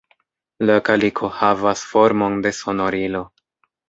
La kaliko havas formon de sonorilo.